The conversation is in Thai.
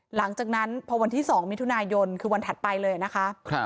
หลังจากนั้นพอวันที่๒มิถุนายนคือวันถัดไปเลยนะคะ